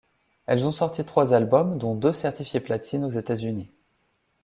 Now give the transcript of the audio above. Elles ont sorti trois albums dont deux certifiés platine aux États-Unis.